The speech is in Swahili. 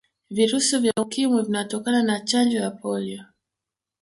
virusi vya ukimwi vinatokana na Chanjo ya polio